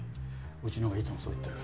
うちのがいつもそう言ってる。